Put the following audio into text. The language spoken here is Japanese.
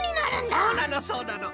そうなのそうなの。